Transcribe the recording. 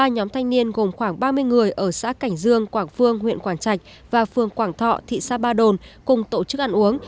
ba nhóm thanh niên gồm khoảng ba mươi người ở xã cảnh dương quảng phương huyện quảng trạch và phường quảng thọ thị xã ba đồn cùng tổ chức ăn uống